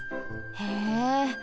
へえ。